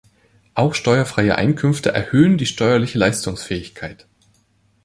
Auch steuerfreie Einkünfte erhöhen die steuerliche Leistungsfähigkeit.